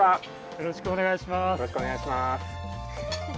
よろしくお願いします。